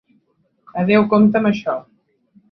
Adeu, compte amb això.